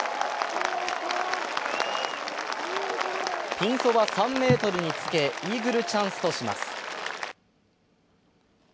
ピンそば３ｍにつけ、イーグルチャンスとします。